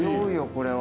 これは。